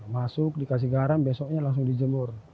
masuk dikasih garam besoknya langsung dijemur